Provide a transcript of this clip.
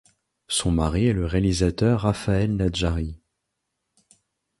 Son mari est le réalisateur Raphaël Nadjari.